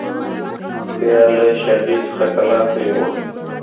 بیا یې له شا جوی څخه کلات ته یووړم.